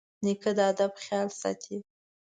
نیکه د ادب خیال ساتي.